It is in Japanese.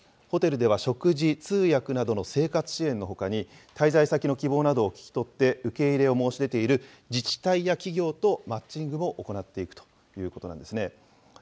ホテルでは食事、通訳などの生活支援のほかに、滞在先の希望などを聞き取って受け入れを申し出ている自治体や企業とマッチングを行っていくということなんですね。